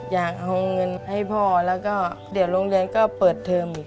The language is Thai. อยากเอาเงินให้พ่อแล้วก็เดี๋ยวโรงเรียนก็เปิดเทอมอีก